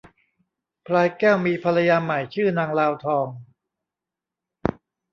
พลายแก้วมีภรรยาใหม่ชื่อนางลาวทอง